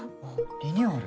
リニューアル？